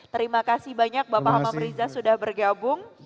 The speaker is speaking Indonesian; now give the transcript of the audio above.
terima kasih banyak bapak hamam riza sudah bergabung